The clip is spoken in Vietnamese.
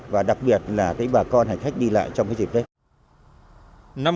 và đặc biệt là cái bà con hành khách đi lại trong cái dịp đấy